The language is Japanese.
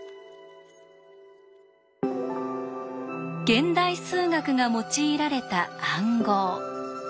現代数学が用いられた暗号。